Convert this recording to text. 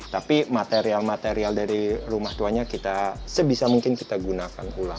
tapi material material dari rumah tuanya kita sebisa mungkin kita gunakan ulang